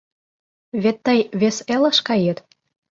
Вет тый вес элыш кает?